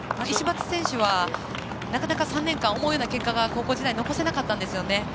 石松選手はなかなか３年間思うような結果が、高校時代に残せなかったんですよね。